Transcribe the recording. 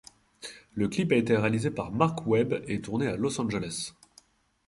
Le clip a été réalisé par Marc Webb et tourné à Los Angeles.